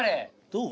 どう？